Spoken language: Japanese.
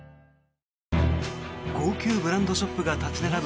高級ブランドショップが立ち並ぶ